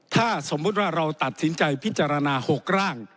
ถ้าสมมุติว่าเราตัดสินใจพิจารณา๖ร่าง